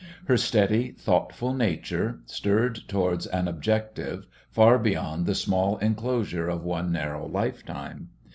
Her steady, thoughtful nature stirred towards an objective far beyond the small enclosure of one narrow lifetime.